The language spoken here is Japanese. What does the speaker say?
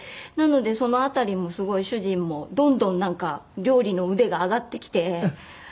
なのでその辺りもすごい主人もどんどんなんか料理の腕が上がってきて。